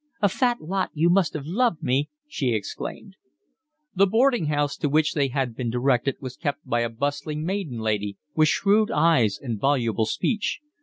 "A fat lot you must have loved me!" she exclaimed. The boarding house to which they had been directed was kept by a bustling maiden lady, with shrewd eyes and voluble speech.